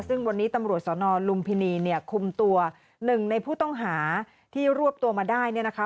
ซึ่งวันนี้ตำรวจสนลุมพินีเนี่ยคุมตัวหนึ่งในผู้ต้องหาที่รวบตัวมาได้เนี่ยนะคะ